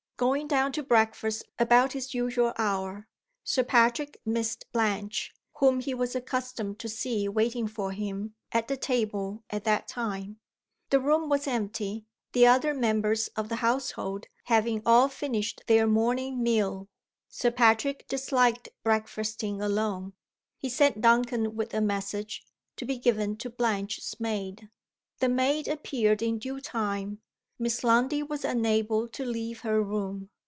Going down to breakfast about his usual hour, Sir Patrick missed Blanche, whom he was accustomed to see waiting for him at the table at that time. The room was empty; the other members of the household having all finished their morning meal. Sir Patrick disliked breakfasting alone. He sent Duncan with a message, to be given to Blanche's maid. The maid appeared in due time Miss Lundie was unable to leave her room.